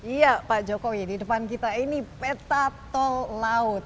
iya pak jokowi di depan kita ini peta tol laut